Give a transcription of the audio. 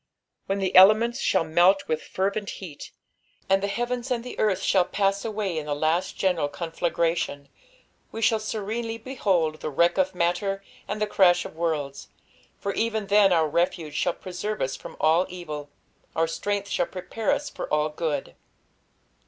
When the elements shall melt with fervent heat, and the heavens and the earth shall pass away in the last general ronflagrsrion, we shall serenely behold "the wreck of matter, and the crash of worlds," for even then our refuge shall preserve us from all evil, our strength shall prepare us for all good.